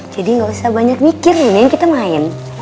jadi gak usah banyak mikir ini yang kita main